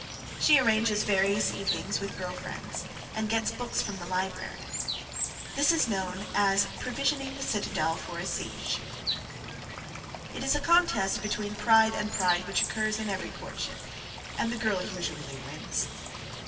She arranges various evenings with girl friends and gets books from the library. This is known as "provisioning the citadel for a siege." [Sidenote: Pride and Pride] It is a contest between pride and pride which occurs in every courtship, and the girl usually wins.